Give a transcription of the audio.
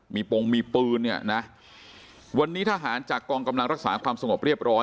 มีปงมีปืนเนี่ยนะวันนี้ทหารจากกองกำลังรักษาความสงบเรียบร้อย